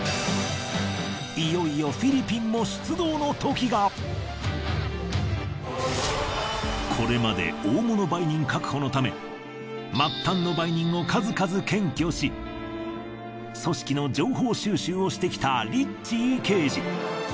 いよいよこれまで大物売人確保のため末端の売人を数々検挙し組織の情報収集をしてきたリッチー刑事。